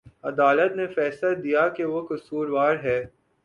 عدالت نے فیصلہ دیا کہ وہ قصوروار ہے